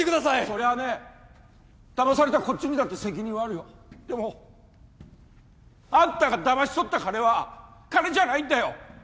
そりゃあねだまされたこっちにだって責任はあるよでもあんたがだまし取った金は金じゃないんだよ